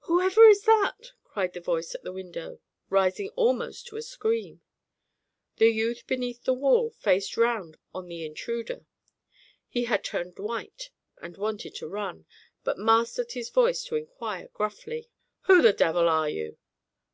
"Whoever is that?" cried the voice at the window, rising almost to a scream. The youth beneath the wall faced round on the intruder. He had turned white and wanted to run, but mastered his voice to inquire gruffly: "Who the devil are you?"